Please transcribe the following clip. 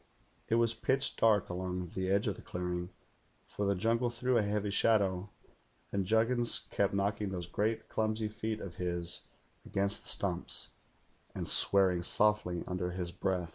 It was pitch dark along the edge of the clearing, for the jungle threw a heavy shadow; and Juggins kept knocking those great clumsy feet of his against the stumps, and swearing softly under his breath.